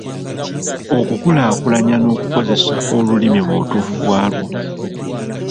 Okukulakulanya n’okukozesa olulimi mu butuufu bwalwo.